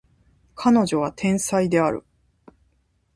彼女は天才である